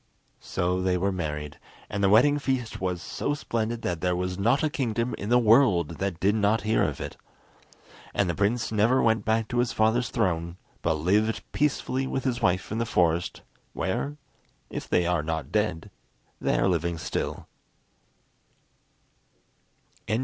So they were married, and the wedding feast was so splendid that there was not a kingdom in the world that did not hear of it. And the prince never went back to his father's throne, but lived peacefully with his wife in the forest, where, if they are not dead, they are living still.